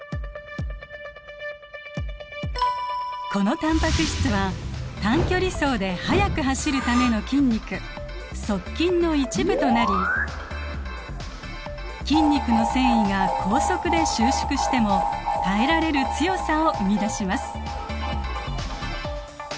このタンパク質は短距離走で速く走るための筋肉速筋の一部となり筋肉の繊維が高速で収縮しても耐えられる強さを生み出します。